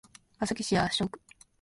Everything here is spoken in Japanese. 川崎市麻生区